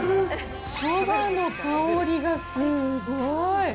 そばの香りがすごい！